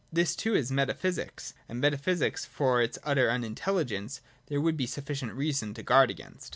This too is meta physics ; and metaphysics which, for its utter unintelligence, there would be sufficient reason to guard against.